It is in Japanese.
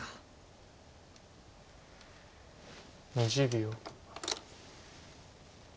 ２０秒。